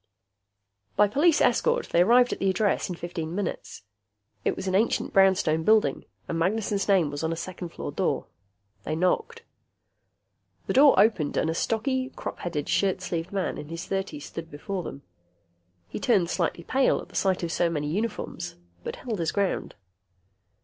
By police escort, they arrived at the address in fifteen minutes. It was an ancient brownstone and Magnessen's name was on a second floor door. They knocked. The door opened and a stocky, crop headed, shirt sleeved man in his thirties stood before them. He turned slightly pale at the sight of so many uniforms, but held his ground.